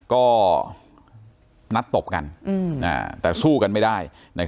ก็นัดตบกันแต่สู้กันไม่ได้